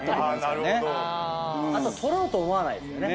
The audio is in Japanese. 撮ろうと思わないですよね。